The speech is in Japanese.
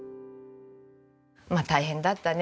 まあ大変だったねって。